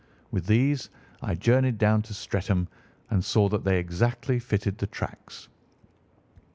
With these I journeyed down to Streatham and saw that they exactly fitted the tracks."